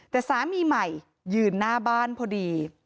แต่สามีใหม่ยืนหน้าบ้านพอดี